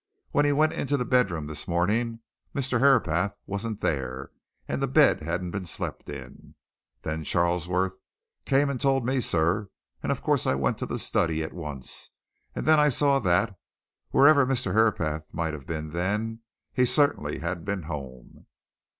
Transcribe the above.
When he went into the bedroom this morning Mr. Herapath wasn't there, and the bed hadn't been slept in. Then Charlesworth came and told me, sir, and of course I went to the study at once, and then I saw that, wherever Mr. Herapath might be then, he certainly had been home."